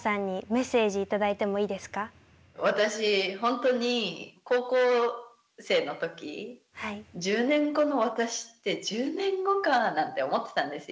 本当に高校生の時１０年後の私って「１０年後か」なんて思ってたんですよ。